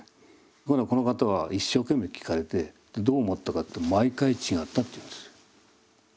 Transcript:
ところがこの方は一生懸命聞かれてどう思ったかって毎回違ったって言うんです。